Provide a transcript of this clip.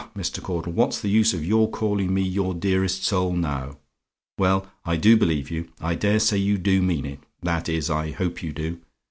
Mr. Caudle, what's the use of your calling me your dearest soul now? Well, I do believe you. I dare say you do mean it; that is, I hope you do.